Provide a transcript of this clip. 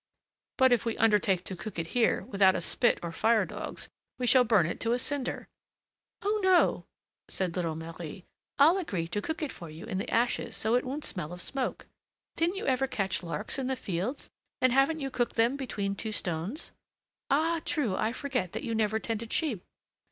"But if we undertake to cook it here, without a spit or fire dogs, we shall burn it to a cinder!" "Oh! no," said little Marie; "I'll agree to cook it for you in the ashes so it won't smell of smoke. Didn't you ever catch larks in the fields, and haven't you cooked them between two stones? Ah! true! I forget that you never tended sheep!